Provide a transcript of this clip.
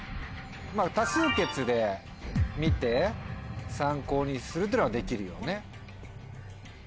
多数決で見て参考にするってのはできるよね。